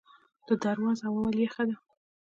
د درواز هوا ولې یخه ده؟